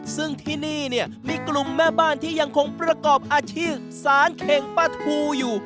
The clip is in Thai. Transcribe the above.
ซึ่งที่นี่เนี่ยมีกลุ่มแม่บ้านที่ยังคงประกอบอาชีพสารเข่งป้าทูอยู่